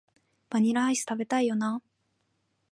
バニラアイス、食べたいよな